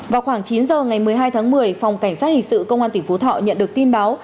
vào khoảng chín giờ ngày một mươi hai tháng một mươi phòng cảnh sát hình sự công an tỉnh phú thọ nhận được tin báo